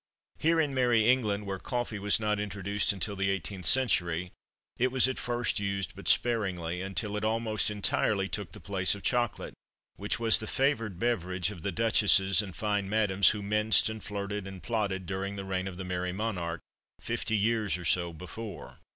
Here, in merry England, where coffee was not introduced until the eighteenth century, it was at first used but sparingly, until it almost entirely took the place of chocolate, which was the favoured beverage of the duchesses and fine madams who minced and flirted, and plotted, during the reign of the Merry Monarch, fifty years or so before.